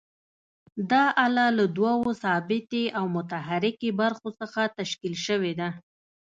دا آله له دوو ثابتې او متحرکې برخو څخه تشکیل شوې ده.